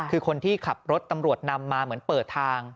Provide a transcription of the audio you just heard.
คือคนที่ขับรถตำรวจนำมาเหมือนเปิดทาง